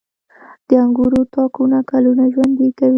• د انګورو تاکونه کلونه ژوند کوي.